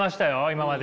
今まで。